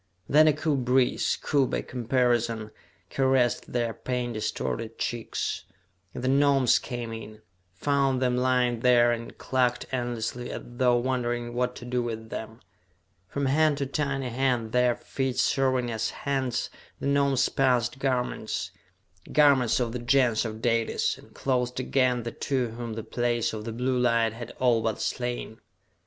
Then a cool breeze, cool by comparison, caressed their pain distorted cheeks, and the Gnomes came in, found them lying there, and clucked endlessly as though wondering what to do with them. From hand to tiny hand, their feet serving as hands, the Gnomes passed garments garments of the Gens of Dalis, and clothed again the two whom the Place of the Blue Light had all but slain.